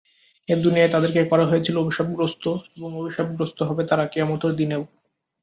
এ দুনিয়ায় তাদেরকে করা হয়েছিল অভিশাপগ্রস্ত এবং অভিশাপগ্রস্ত হবে তারা কিয়ামতের দিনেও।